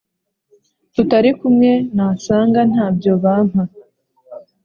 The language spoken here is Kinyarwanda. tutari kumwe nasanga ntabyo bampa